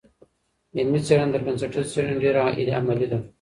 علمي څېړنه تر بنسټیزي څېړني ډېره عملي ده.